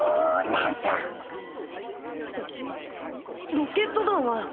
ロケット団は。